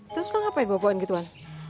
terus lu ngapain boboan gituan